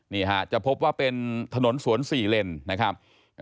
นี่ฮะจะพบว่าเป็นถนนสวน๔เลนนะครับ